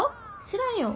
知らんよ。